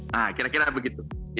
nah kira kira begitu